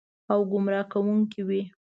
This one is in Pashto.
او ګمراه کوونکې وي.